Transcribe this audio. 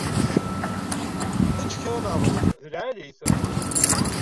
Ečč kra n rruẓ, d lɛali-t.